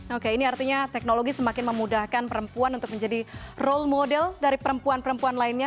oke ini artinya teknologi semakin memudahkan perempuan untuk menjadi role model dari perempuan perempuan lainnya